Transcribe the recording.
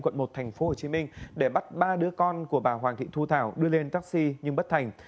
quận một tp hcm để bắt ba đứa con của bà hoàng thị thu thảo đưa lên taxi nhưng bất thành